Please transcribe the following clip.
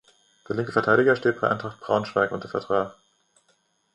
Der linke Verteidiger steht bei Eintracht Braunschweig unter Vertrag.